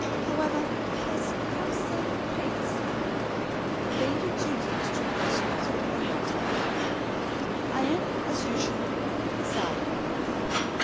However, it has become Sadie Kate's daily duty to treat those spots with your hair tonic. I am, as usual, SALLIE.